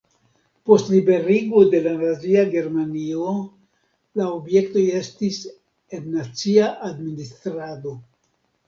Post liberigo de la nazia Germanio la objektoj estis en nacia administrado.